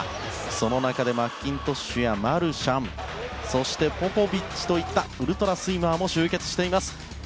その中でもマッキントッシュやマルシャンそしてポポビッチといったウルトラスイマーも集結しています。